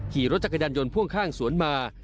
ขี่รถจักรยานยนต์พ่วงข้างสวนมา